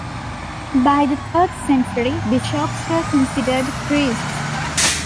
By the third century bishops were considered priests.